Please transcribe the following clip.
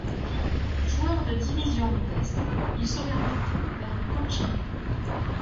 Joueur de divisions modestes, il s'oriente tôt vers le coaching.